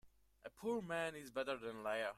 A poor man is better than a liar.